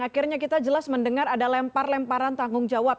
akhirnya kita jelas mendengar ada lempar lemparan tanggung jawab